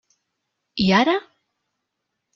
I ara?